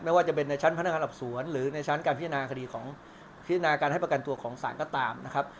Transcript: ไม่ว่าจะเป็นในชั้นพนักงานหลับสวนหรือในชั้นการพิจารณาคดีของพิจารณาการให้ประกันตัวของศาลก็ตามนะครับ